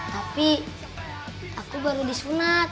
tapi aku baru disunat